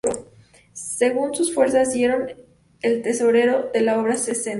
Según sus fuerzas dieron al tesorero de la obra sesenta